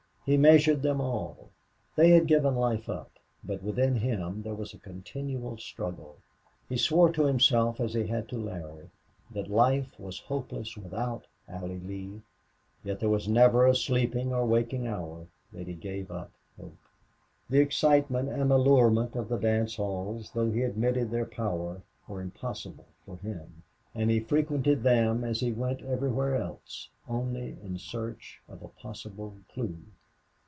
He measured them all. They had given life up, but within him there was a continual struggle. He swore to himself, as he had to Larry, that life was hopeless without Allie Lee yet there was never a sleeping or a waking hour that he gave up hope. The excitement and allurement of the dance halls, though he admitted their power, were impossible for him; and he frequented them, as he went everywhere else, only in search of a possible clue.